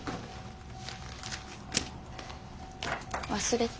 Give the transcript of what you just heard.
忘れて。